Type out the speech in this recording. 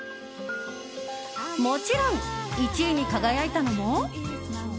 もちろん１位に輝いたのも。